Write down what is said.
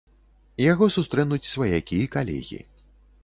Яго сустрэнуць сваякі і калегі.